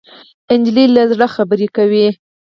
نجلۍ له زړه خبرې کوي.